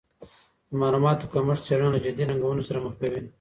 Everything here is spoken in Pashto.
د معلوماتو کمښت څېړنه له جدي ننګونو سره مخ کوي.